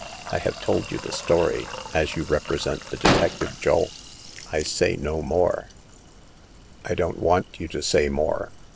I have told you the story, as you represent the detective Julf. I say no more !"" I don't want you to say more.